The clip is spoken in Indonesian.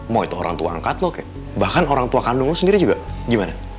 mau itu orang tua angkat lo kayak bahkan orang tua kandung lo sendiri juga gimana